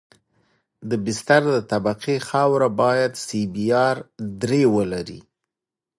د بستر د طبقې خاوره باید سی بي ار درې ولري